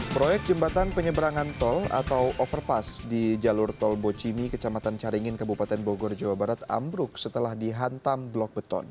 proyek jembatan penyeberangan tol atau overpass di jalur tol bocimi kecamatan caringin kabupaten bogor jawa barat ambruk setelah dihantam blok beton